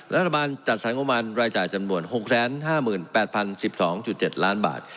รัฐบาลจัดสรรงบประมาณรายจ่ายจำนวน๖๕๘๐๑๒๗ล้านบาท